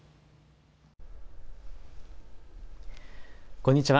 こんにちは。